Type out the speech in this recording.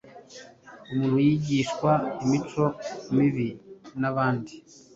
umuntu yigishwa imico mibi n'abandi